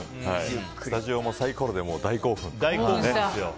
スタジオもサイコロで大興奮。